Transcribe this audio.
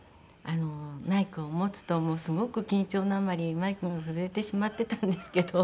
マイクを持つとすごく緊張のあまりマイクが震えてしまっていたんですけど。